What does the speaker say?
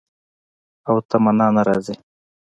او تمنا نه راځي